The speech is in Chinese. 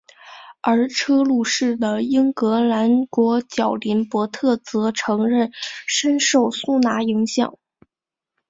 而车路士的英格兰国脚林柏特则承认深受苏拿影响。